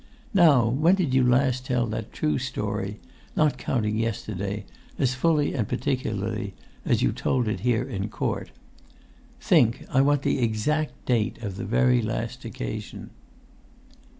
Now when did you last tell that true story, not counting yesterday, as fully and particularly as you told it here in court?[Pg 166] Think. I want the exact date of the very last occasion."